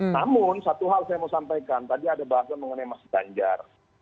namun satu hal saya mau sampaikan tadi ada bahasan mengenai mas ganjar